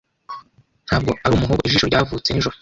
ntabwo ari umuhogo ', ijisho ryavutse nijoro